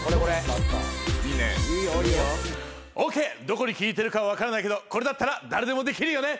どこに効いてるか分からないけどこれだったら誰でもできるよね。